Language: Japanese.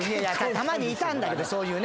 たまにいたんだけどそういうね。